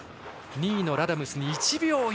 ２位のラダムスに１秒